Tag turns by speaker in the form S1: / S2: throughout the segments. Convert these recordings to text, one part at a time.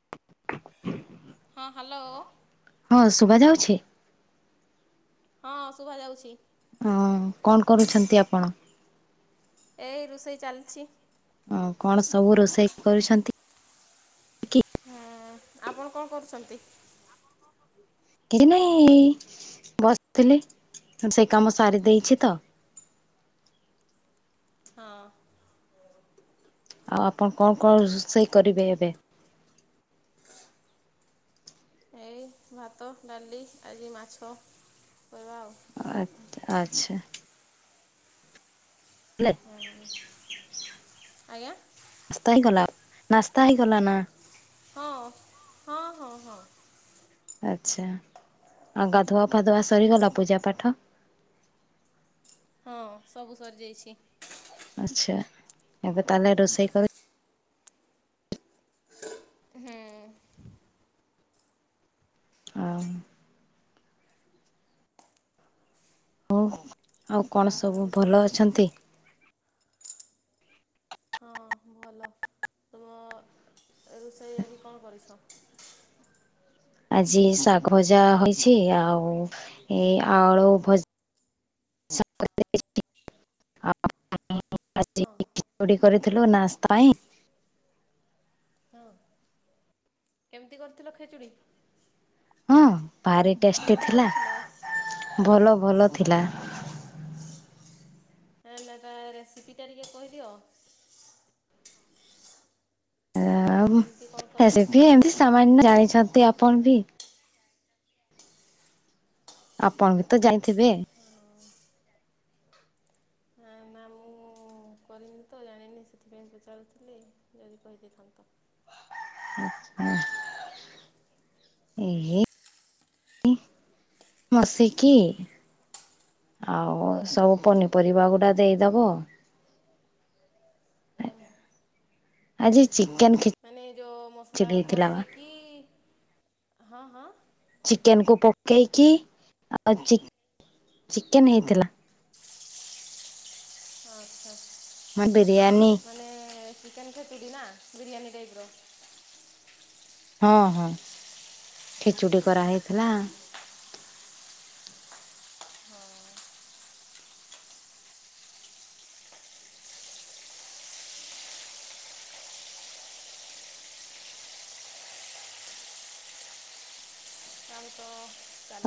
S1: [inaudible]
S2: ହଁ ହାଲୋ।
S1: ଛେ
S2: ହଁ ଶୁଭା ଯାଉଛି।
S1: ହୁଁ କଣ କରୁଛନ୍ତି ଆପଣ?
S2: ଏଇ ରୁଷେଇ ଚାଲିଛି।
S1: ହଁ କଣ ସବୁ ରୋଷେଇ କରୁଛନ୍ତି କି?
S2: ହଁ ଆପଣ କଣ କରୁଛନ୍ତି?
S1: କିଛି ନାଇଁ ଇ ବସିଥିଲି। ସେଇ କାମ ସାରି ଦେଇଛି ତ।
S2: ହଁ।
S1: ଆଉ ଆପଣ କଣ କଣ ରୋଷେଇ କରିବେ ଏବେ?
S2: ଏଇ ଭାତ, ଡାଲି, ଆଜି ମାଛ କରିବା ଆଉ
S1: ଆଛ ଆଚ୍ଛା।
S2: ଆଜ୍ଞା
S1: ସ୍ତଲ କଲା। ନାସ୍ତା ହେଇଗଲା ନା?
S2: ହଁ ହଁ ହଁ ହଁ।
S1: ଆଚ୍ଛା ଗାଧୁଆ ପାଧୁଆ ସରିଗଲା ପୂଜା ପାଠ। [inaudible]
S2: ହଁ ସବୁ ସରିଯାଇଛି।
S1: ଆଚ୍ଛା ଏବେ ତାହେଲେ ରୋଷେଇ କରି
S2: ହୁଁ।
S1: ଆଉ। ହଉ ଆଉ କଣ ସବୁ ଭଲ ଅଛନ୍ତି?
S2: ହଁ ଭଲ ତୁମ ରୋଷେଇ ଆଜି କଣ କରିଛ?
S1: ଆଜି ଶାଗ ଭଜା ହୋଇଛି ଆଉ ଏ ଆଳୁ ଭଜ
S2: ହଁ
S1: ଆଉଜିଚଡି କରିଥିଲୁ ନାସ୍ତା ହିଁ।
S2: ହଁ କେମିତି କରିଥିଲ ଖେଚୁଡ଼ି?
S1: ହଁ ଭାରି ଟେଷ୍ଟି
S2: କେମିତି
S1: ଥିଲା
S2: କରିଥିଲ?
S1: ଭଲ ଭଲ ଥିଲା।
S2: ହେ ନଟ ରେସିପିଟା ଟିକେ କହିଦିଅ?
S1: ଆ
S2: କେମିତି କଣ କଲ?
S1: ରେସିପି ଏମତି ସାମାନ୍ୟ ଜାଣିଛନ୍ତି ଆପଣ ବି? ଆପଣ ବି ତ ଯାଇଥିବେ?
S2: ହଁ ନା
S1: [inaudible]
S2: ମୁଁ କରିନି ତ ଜାଣିନି ସେଥିପାଇଁ ପଚାରୁଥିଲି ଯଦି କହିଦେଇଥାନ୍ତ
S1: [unintelligible] ଏହେ ମସିକି ଆଉ ସବୁ
S2: ହଁ
S1: ପନିପରିବା ଗୁଡା ଦେଇଦେବ ଆଜି ଚି
S2: ମାନେ ଯୋଉ ମସଲା
S1: ବା
S2: କଷିକି ହଁ ହଁ
S1: ଚିକେନ କୁ ପକେଇକି ଆଉ ଚିକେନ ହେଇଥିଲା। [inaudible]
S2: ହଁ ହଁ
S1: ମାନେ ବିରିୟାନୀ
S2: ମାନେ ଚିକେନ ଖେଚୁଡ଼ି ନା ବିରିୟାନୀ ଟାଇପର [unintelligible]
S1: ହଁ ହଁ ଖେଚୁଡି କରାହେଇଥିଲା।
S2: ହଁ। [unintelligible] ଆଉ ତ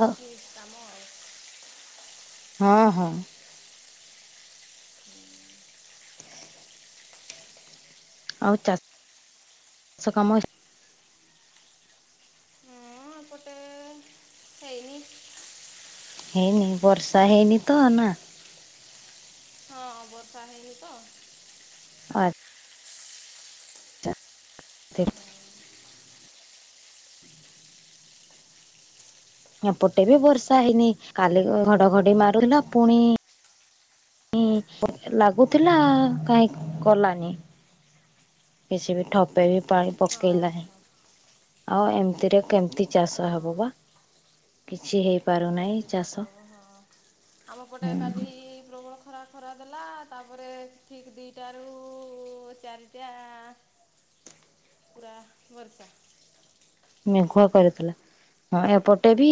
S1: ହଁ
S2: କାମ। ଆଉ।
S1: ହଁ ହଁ।
S2: [unintelligible]
S1: ଆଉ ଚାଷ ଚାଷ କାମ
S2: ହଁ ଏପଟେ ହେଇନି।
S1: ହେଇନି ବର୍ଷା ହେଇନି ତ ନା।
S2: ହଁ ବର୍ଷା ହେଇନି ତ।
S1: ଆ [inaudible] ଏପଟେ ବି ବର୍ଷା ହେଇନି କାଲି ଘଡ଼ଘଡ଼ି ମାରୁଥିଲା ପୁଣି ଣି ଲାଗୁଥିଲା କାହିଁ କଲାନି। କିଛି ବି ଠୋପେ ବି ପାଣି
S2: ହଁ
S1: ପକେଇଲାଣି
S2: ହଁ
S1: ଆଉ ଏମିତିରେ କେମିତି ଚାଷ ହେବ
S2: ହଁ।
S1: ବା। କିଛି ହେଇ
S2: କେମିତି ଚାଷ ହବ ହଁ ଆମ ପଟେ କାଲି ପ୍ରବଳ ଖରା ଖରା ଦେଲା ତାପରେ ଠିକ ଦିଟା ରୁ ଚାରିଟା ପୁରା ବର୍ଷା।
S1: ମେଘୁଆ କରିଥିଲା ହଁ ଏପଟେ ବି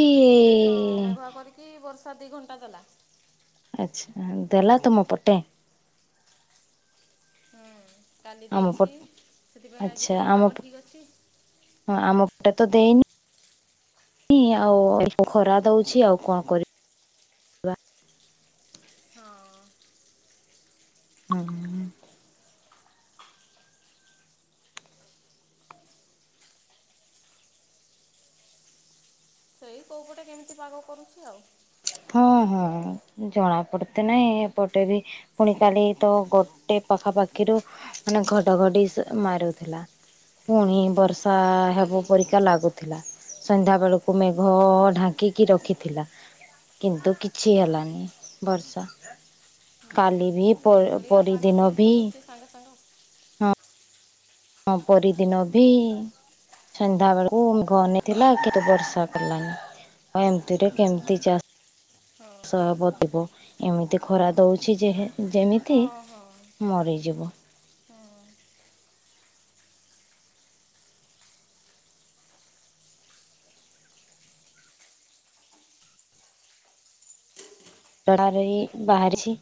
S2: ହଁ ମେଘୁଆ କରିକି ବର୍ଷା ଦି ଘଣ୍ଟା ଦେଲା।
S1: ଆଛା ଦେଲା ତୁମ ପଟେ
S2: ହୁଁ। କାଲି
S1: ଆମ
S2: ଦେଇଛି
S1: ପଟ
S2: ସେଥିପାଇଁ ଆଜି
S1: ଆଚ୍ଛା
S2: ଟିକେ ପାଗ ଠିକ୍ ଅଛି।
S1: ଏଥେ ତ ଦେଇନି। ଆଉ ଅଳ୍ପ ଖରା ଦଉଛି ଆଉ କଣ କରିବ ବା।
S2: ହଁ।
S1: ହୁଁ।
S2: ସେଇ କୋଉ ପଟେ କେମିତି ପାଗ କରୁଛି ଆଉ।
S1: ହଁ ହଁ ଜଣା ପଡ଼ତେ ନାହିଁ ଏପଟେ ବି ପୁଣି କାଲି ତ ଗୋଟେ ପାଖାପାଖିରୁ ମାନେ ଘଡଘଡି ସ ମାରୁଥିଲା ପୁଣି ବର୍ଷା ହେବା
S2: କାଲି
S1: ପରିକା ଲାଗୁଥିଲା ସନ୍ଧ୍ୟାବେଳକୁ ମେଘ
S2: ହଁ
S1: ଢାଙ୍କି କି ରଖିଥିଲା କିନ୍ତୁ କିଛି
S2: ହଁ।
S1: ହେଲାନି ବର୍ଷା
S2: ହଁ
S1: କାଲି। ବି
S2: ସେଇଭଳିଆ ପାଗ
S1: ପରିଦିନ
S2: ଚେଞ୍ଜ
S1: ବି
S2: କରିଦେଉଛି ସାଙ୍ଗେ ସଙ୍ଗେ ଆଉ।
S1: ହଁ ପରିଦିନ ବି ସନ୍ଧ୍ୟା ବେଳୁ [unintelligible] ଥିଲା
S2: ହଁ
S1: କେତେ ବର୍ଷା କଲାନି ଆଉ ଏମିତିରେ କେମିତି ଚା
S2: ହଁ।
S1: ସହବତିିବ ଏମିତି ଖରା ଦେଉଛି ଯେ ଯେମିତି
S2: ହଁ ହଁ
S1: ମରିଯିବ
S2: ହଁ
S1: ଡାରେ ବି ବାହାରିଛି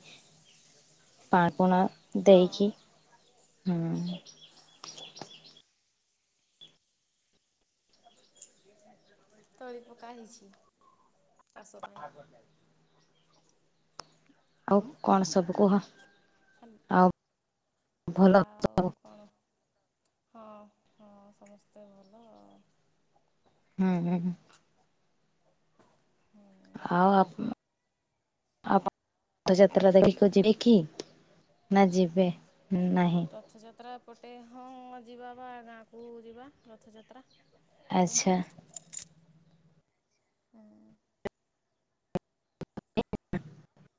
S1: [unintelligible]
S2: ହଁ।
S1: ଦେଇକି ହୁଁ [unintelligible]
S2: ତଳି ପକା ହେଇଛି ଚାଷ ପାଇଁ।
S1: ଆଉ କଣ ସବୁ କୁହ ଆଉ ଭଲ
S2: ଆଉ
S1: [unintelligible]
S2: କଣ ହଁ ହଁ ସମସ୍ତେ ଭଲ ଆ
S1: ହୁଁ ହୁଁ ଆଉ ଆପ- ଆଉପ ପଥଯାତ୍ରା ଦେଖିକ ଯିବେ କି ନା ଯିବେ ନାହିଁ
S2: ରଥଯାତ୍ରା ପଟେ ହଁ ଯିବା ବା ଗାଁକୁ ଯିବା ରଥଯାତ୍ରା ବେଳକୁ
S1: ଆଚ୍ଛା
S2: ହୁଁ
S1: [unintelligible]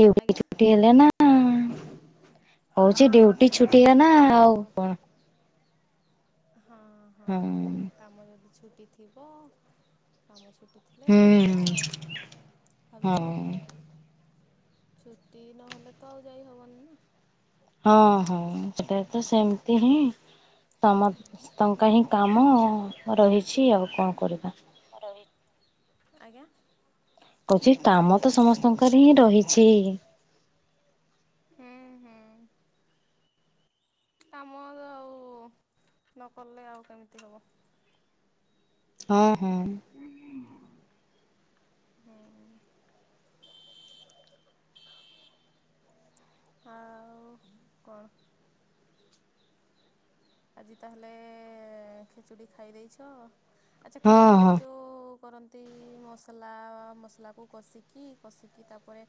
S1: ଡ୍ୟୁଟି
S2: ଆଜ୍ଞା
S1: ଛୁଟି ହେଲା ନା ଛି ଡ୍ୟୁଟି
S2: ହଁ
S1: ଛୁଟି ହେଲା ନା
S2: ହଁ
S1: ଆଉ
S2: ତାଙ୍କ
S1: କଣ?
S2: ହଁ ହଁ
S1: ହୁଁ
S2: କାମ ଯଦି ଛୁଟି ଥିବ କାମ ଛୁ- ହେଲେ ହେ ଯିବା
S1: ହୁଁ
S2: ଆଉ
S1: ହଁ
S2: ଭାବିଛ ଛୁଟି ନହେଲେ ତ ଆଉ ଯାଇ ହବନି ନା
S1: ହଁ ହଁ ସେଟା ତ ସେମିତି ହିଁ। ତମ
S2: ହଁ
S1: ତଙ୍କା ହିଁ କାମ ରହିଛି ଆଉ କଣ କରିବା।
S2: [unintelligible] ଆଜ୍ଞା
S1: କହୁଛି କାମ ତ ସମସ୍ତଙ୍କର ହିଁ ରହିଛି।
S2: ହୁଁ ହୁଁ କାମ ଆଉ ନକଲେ ଆଉ କେମିତି ହେବ।
S1: ହଁ ହଁ।
S2: ଉଁ ହୁଁ। ଆଉ କଣ ଆଜି ତାହେଲେ ଖେଚୁଡି ଖାଇ ଦେଇଚ ଆଚ୍ଛା
S1: ହଁ
S2: ଖେଚୁଡିଟା
S1: ହଁ
S2: ଯୋଉ କରନ୍ତି ମସଲା ମସଲା କୁ କଷିକି କଷିକି ତାପରେ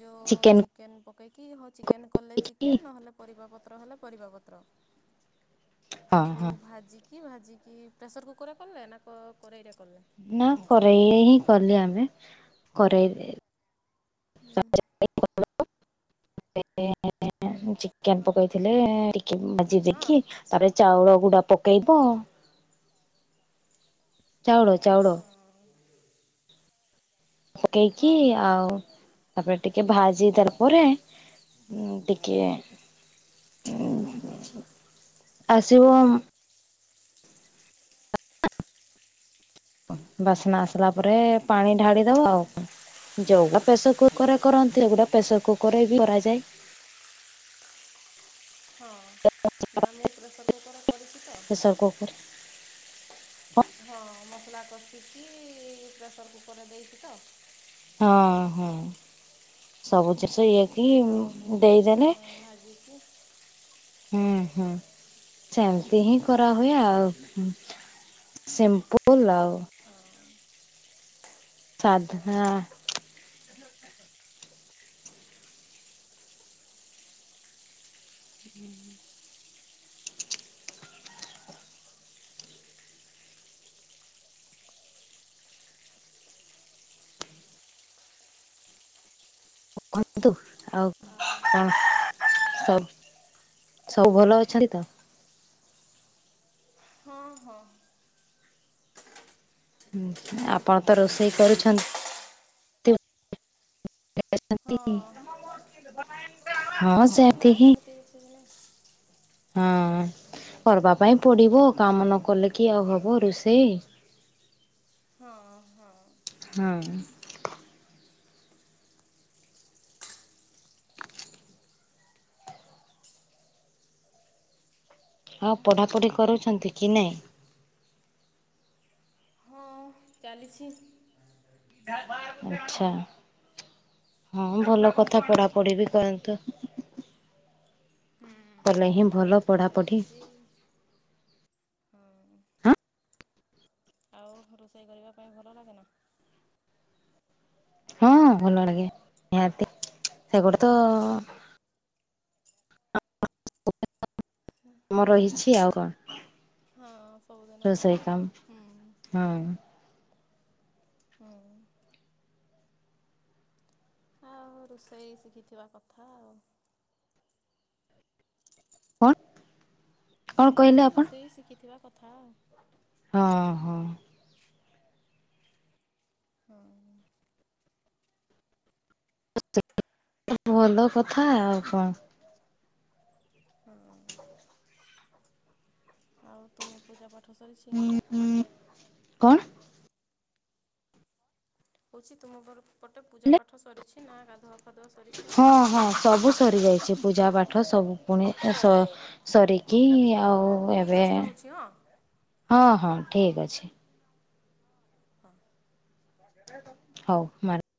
S2: ଯୋଉ ଚିକେନ ପକେଇକି ହୋଉ ଚିକେନ କଲେ
S1: କରିକି
S2: ଚିକେନ ନହେଲେ ପରିବା ପ ତ୍ର ହେଲା ପରିବାପତ୍ର
S1: ହଁ
S2: ତାକୁ
S1: ହଁ
S2: ଭାଜି କି ଭାଜିକି ପ୍ରେସର କୁକର କଲେ ନା କ-କରେଇ କ
S1: ନା କରେଇ ହିଁ କଲି ଆମେ କରେଇରେ [inaudible]
S2: ହୁଁ
S1: [unintelligible] ଚିକେନ
S2: ହଁ
S1: ପକେଇଥିଲେ ଟିକେ ଭାଜି
S2: ହଁ
S1: ଦେଇକି ତାପରେ ଚାଉଳ ଗୁଡା ପକେଇବ। ଚାଉଳ, ଚାଉଳ ପକେଇକି
S2: ହଁ ହଁ
S1: ଆଉ ତାପରେ ଟିକେ ଭାଜି ସାଇଲା ପରେ ଉଁ ଟିକେ ଆଶିବ ବାସ୍ନା ଆସିଲାପରେ ପାଣି ଢାଳି ଦବ ଆଉ କଣ ଯୋଉଟା ପ୍ରେସର କୁକରରେ କରନ୍ତି ଏଗୁଡା ପ୍ରେସର କୁକର ବି କରାଯାଏ।
S2: ହଁ ନା ମୁଁ ପ୍ରେସର କୁକରରେ କରିଚି ତ।
S1: ପ୍ରେସର କୁକର
S2: ହଁ ମସଲା କଷିକି ପ୍ରେସର କୁକରରେ ଦେଇଚି ତ।
S1: ହଁ ହୁଁ।
S2: ହଁ ସେଇ ଚାଉଳକୁ କିଛି
S1: ଦେଇଦେଲେ
S2: ସମୟ ଭାଜିକା
S1: ହୁଁ ହୁଁ ସେମତି ହିଁ କରାହୁଏ ଆଉ। ସିମ୍ପୁଲ ଆଉ।
S2: ହଁ
S1: ସାଧା
S2: ହଁ
S1: [inaudible] କୁହନ୍ତୁ ଆଉ କଣ ସବୁ ସବୁ ଭଲ ଅଛନ୍ତି ତ?
S2: ହଁ ହଁ।
S1: ଆପଣ ତ ରୋଷେଇ କରୁଛ ନ୍ତି।
S2: ହଁ
S1: କରଛନ୍ତି ହଁ ସେ।
S2: କରିଦେଇଛି।
S1: ହଁ। କରିବା ପାଇଁ ପଡିବ କାମ ନ କଲେ କି ଆଉ ହବ ରୋଷେଇ।
S2: ହଁ ହଁ
S1: ହଁ। ହଁ ପଢାପଢି କରୁଛନ୍ତି କି ନାଇଁ?
S2: ହଁ ଚାଲିଛି।
S1: ଆଚ୍ଛା।
S2: ହୁଁ
S1: ହଁ ଭଲ କଥା ପଢାପଢି ବି କରନ୍ତୁ। କଲେ ହିଁ- ଭଲ
S2: ପଢି
S1: ପଢାପଢି
S2: ଚାଲିଛି ହଁ।
S1: ହଁ
S2: ଆଉ ରୋଷେଇ କରିବା ପାଇଁ ଭଲ ଲାଗେନା?
S1: ହଁ ଭଲ ଲାଗେ। ନିହାତି ସେଗୁଡା
S2: ହଁ
S1: ତ- କାମ ରହିଛି ଆଉ କଣ?
S2: ହଁ ସବୁଦିନ କାମ ଆଉ।
S1: ହଁ
S2: ହୁଁ। ଆଉ ରୋଷେଇ ଶିଖିଥିବା କଥା ଆଉ।
S1: କଣ? କଣ କହିଲେ
S2: କହୁଛି
S1: ଆପଣ
S2: ରୋଷେଇ ଶିଖିଥିବା କଥା ଆଉ।
S1: ହଁ ହଁ।
S2: [inaudible]
S1: [unintelligible] ଭଲ କଥା ଆଉ କଣ?
S2: ଆଉ ତୁମ ପୂଜା ପାଠ ସରିଛି?
S1: କଣ?
S2: ହଉଛି ତୁମ ଘର ପଟେ ପୂଜା
S1: ହେଲେ
S2: ପାଠ- ପାଠ ସରିଛି ନା ଗାଧୁଆ ଫାଧୁଆ ସରିଛି ନା-
S1: ହଁ ହଁ ସବୁ ସରିଯାଇଛି ପୂଜା ପାଠ ସବୁ ପୁଣି
S2: ସରିଯାଇଛି।
S1: ସରିକି ଆଉ
S2: ହଉ ଠିକ୍ ଅଛି
S1: ଏବେ-
S2: ରହୁଛି ହଁ।
S1: ହଁ ହଁ ଠିକ ଅଛି।
S2: ହଁ।
S1: ହଉ ମାର-